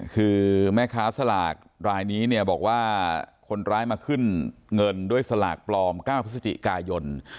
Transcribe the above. คือแม่ค้าสลากรายนี้เนี่ยบอกว่าคนร้ายมาขึ้นเงินด้วยสลากปลอม๙พฤศจิกายน